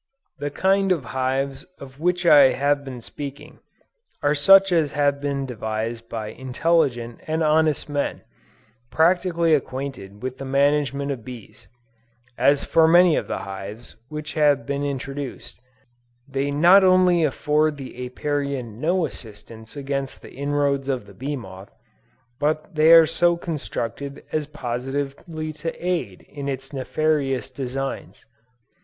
The kind of hives of which I have been speaking, are such as have been devised by intelligent and honest men, practically acquainted with the management of bees: as for many of the hives which have been introduced, they not only afford the Apiarian no assistance against the inroads of the bee moth, but they are so constructed as positively to aid it in its nefarious designs.